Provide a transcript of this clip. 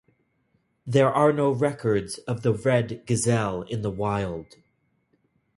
There are no records of the red gazelle in the wild.